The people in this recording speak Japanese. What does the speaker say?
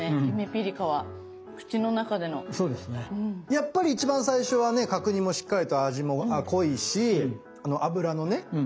やっぱり一番最初はね角煮もしっかりと味も濃いしあの脂のね